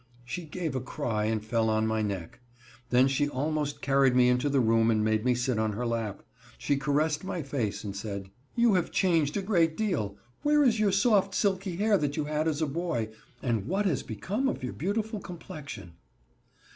She gave a cry and fell on my neck. Then she almost carried me into the room and made me sit on her lap. She caressed my face, and said: "You have changed a great deal. Where is your soft, silky hair that you had as a boy, and what has become of your beautiful complexion?"